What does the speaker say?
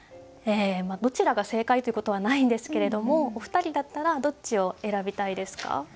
どちらが正解ということはないんですけれどもお二人だったらどっちを選びたいですか？